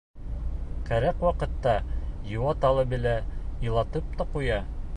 Кәрәк ваҡытта йыуата ла белә, илатып та ҡуя.